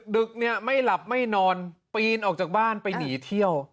ดึกเนี่ยไม่หลับไม่นอนปีนออกจากบ้านไปหนีเที่ยว